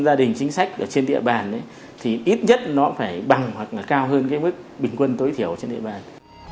gia đình chính sách trên địa bàn thì ít nhất nó phải bằng hoặc cao hơn mức bình quân tối thiểu trên địa bàn